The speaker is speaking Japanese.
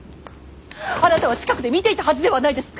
あなたは近くで見ていたはずではないですか！